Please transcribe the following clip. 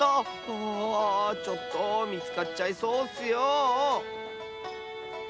あちょっとみつかっちゃいそうッスよ！